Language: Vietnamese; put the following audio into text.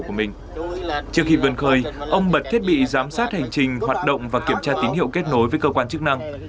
trước khi vươn khơi ông bật thiết bị giám sát hành trình hoạt động và kiểm tra tín hiệu kết nối với cơ quan chức năng